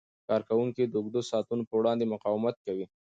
کارکوونکي د اوږدو ساعتونو په وړاندې مقاومت کوي.